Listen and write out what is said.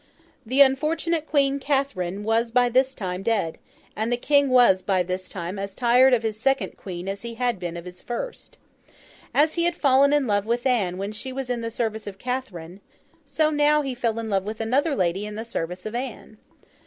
The unfortunate Queen Catherine was by this time dead; and the King was by this time as tired of his second Queen as he had been of his first. As he had fallen in love with Anne when she was in the service of Catherine, so he now fell in love with another lady in the service of Anne.